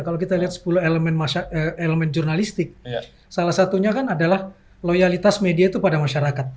kalau kita lihat sepuluh elemen jurnalistik salah satunya kan adalah loyalitas media itu pada masyarakat